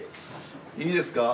いいですか？